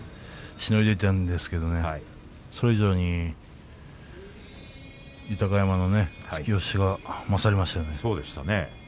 しのいでいたんですがそれ以上に豊山の突き押しが勝りましたね。